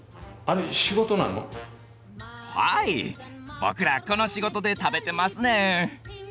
僕らこの仕事で食べてますねん。